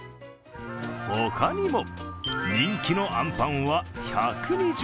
他にも、人気のあんぱんは１２０円。